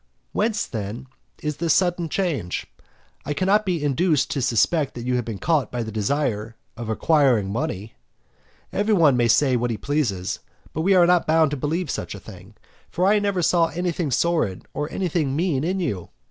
Whence then is this sudden change? I cannot be induced to suspect that you have been caught by the desire of acquiring money; every one may say what he pleases, but we are not bound to believe such a thing; for I never saw anything sordid or anything mean in you.